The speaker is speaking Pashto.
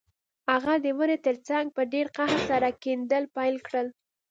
هغه د ونې ترڅنګ په ډیر قهر سره کیندل پیل کړل